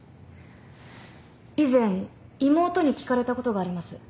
以前妹に聞かれたことがあります。